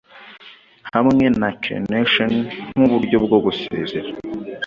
Hamwe na crenation nk'uburyo bwo gusezera,